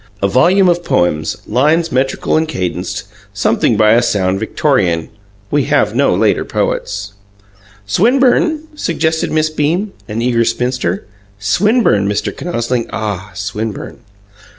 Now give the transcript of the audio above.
A volume of poems, lines metrical and cadenced; something by a sound Victorian. We have no later poets." "Swinburne?" suggested Miss Beam, an eager spinster. "Swinburne, Mr. Kinosling? Ah, SWINBURNE!"